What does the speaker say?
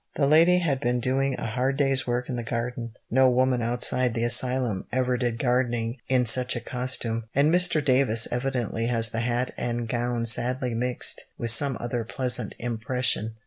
The lady had been doing a hard day's work in the garden. No woman outside the asylum ever did gardening in such a costume, and Mr. Davis evidently has the hat and gown sadly mixed with some other pleasant impression.